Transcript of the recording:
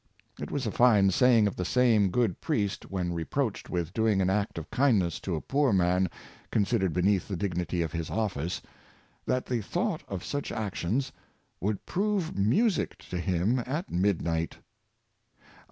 It was a fine saying of the same good priest, when reproached with doing an act of kindness to a poor man considered beneath the dignity of his office — that the thought of such actions " would prove music to him at midnight."